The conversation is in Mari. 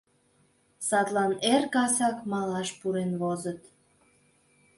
Садлан эр-касак малаш пурен возыт.